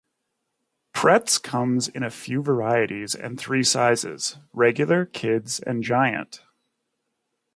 Pretz comes in a few varieties and three sizes: Regular, Kid's, and Giant.